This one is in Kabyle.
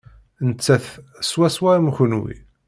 Nettat swaswa am kenwi.